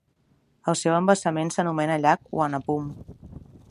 El seu embassament s'anomena llac Wanapum.